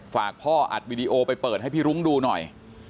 ฝากพ่ออัดวิดีโอไปเปิดให้พี่รุ้งดูหน่อย